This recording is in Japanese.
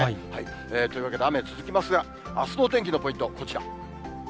というわけで、雨が続きますが、あすのお天気のポイント、こちら。